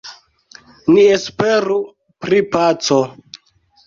Ni esperu pri paco.